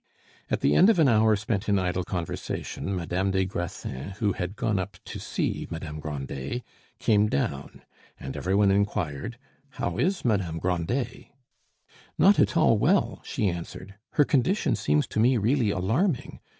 At the end of an hour spent in idle conversation, Madame des Grassins, who had gone up to see Madame Grandet, came down, and every one inquired, "How is Madame Grandet?" "Not at all well," she answered; "her condition seems to me really alarming.